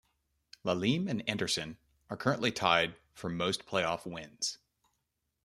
Lalime and Anderson are currently tied for most playoff wins.